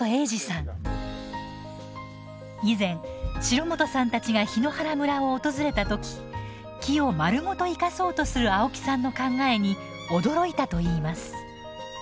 以前城本さんたちが檜原村を訪れた時木をまるごと生かそうとする青木さんの考えに驚いたといいます。